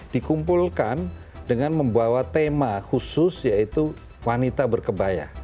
dikumpulkan dengan membawa tema khusus yaitu wanita berkebaya